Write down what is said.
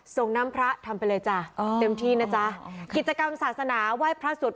ส่งน้ำพระทำไปเลยจ้ะเต็มที่นะจ๊ะคิดจากกรรมศาสนาว่ายพระสุทธิ์